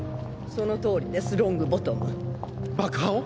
そのとおりですロングボトム爆破を？